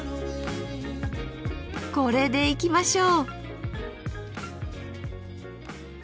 これでいきましょう！